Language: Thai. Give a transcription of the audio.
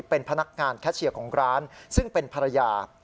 เป็นพนักงานแคชเชียร์ของร้านซึ่งเป็นภรรยา